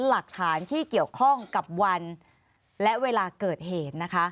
หลักฐานที่เกี่ยวข้องกับวันและเวลาเกิดเหตุนะคะ